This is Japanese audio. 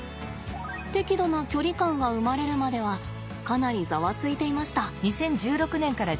適度な距離感が生まれるまではかなりざわついていました。